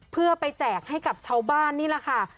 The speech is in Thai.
เพื่อไปแจกให้กับชาวบ้านนี่แหละค่ะ